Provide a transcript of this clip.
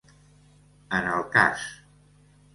En el cas.